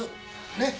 ねっ？